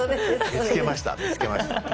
見つけました見つけました。